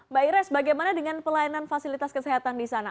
mbak ires bagaimana dengan pelayanan fasilitas kesehatan di sana